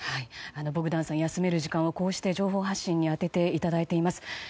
ボグダンさん休める時間を情報発信に充てていただいています。